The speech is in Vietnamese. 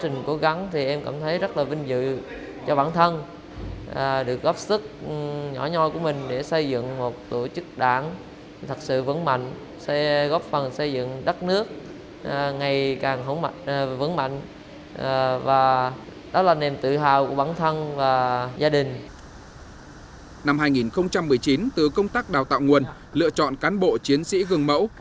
năm hai nghìn một mươi chín từ công tác đào tạo nguồn lựa chọn cán bộ chiến sĩ gương mẫu